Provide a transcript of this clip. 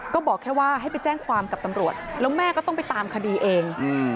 ก็บอกแค่ว่าให้ไปแจ้งความกับตำรวจแล้วแม่ก็ต้องไปตามคดีเอง